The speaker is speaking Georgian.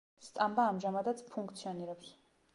სტამბა ამჟამადაც ფუნქციონირებს.